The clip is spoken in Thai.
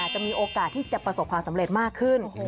จะมีโอกาสที่จะประสบความสำเร็จมากขึ้น